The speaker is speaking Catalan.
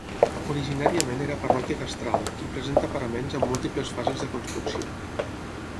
Originàriament era parròquia castral, i presenta paraments amb múltiples fases de construcció.